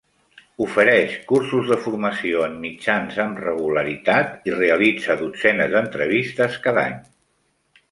Ofereix cursos de formació en mitjans amb regularitat i realitza dotzenes d'entrevistes cada any.